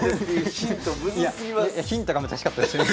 ヒントが難しかったですね。